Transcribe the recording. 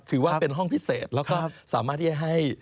ถือว่าเป็นห้องพิเศษแล้วก็สามารถที่จะให้